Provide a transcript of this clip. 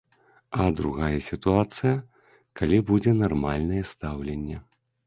А другая сітуацыя, калі будзе нармальнае стаўленне.